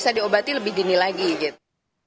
jadi obati lebih dini lagi gitu